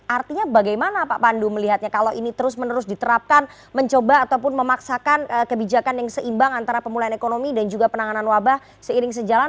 artinya bagaimana pak pandu melihatnya kalau ini terus menerus diterapkan mencoba ataupun memaksakan kebijakan yang seimbang antara pemulihan ekonomi dan juga penanganan wabah seiring sejalan